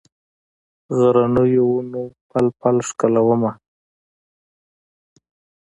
غرنیو ونو پل، پل ښکلومه